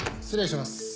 失礼します。